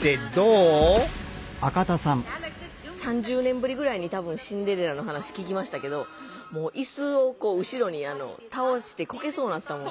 ３０年ぶりぐらいに多分「シンデレラ」の話聞きましたけどもう椅子を後ろに倒してこけそうになったもん。